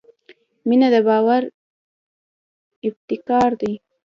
• مینه د باور ابتکار دی.